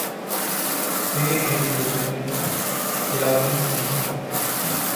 میری گہری دوستیاں تلہ گنگ میں ہیں۔